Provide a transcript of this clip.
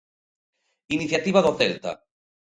Iniciativa do Celta.